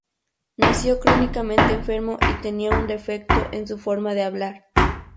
Nació crónicamente enfermo y tenía un defecto en su forma de hablar.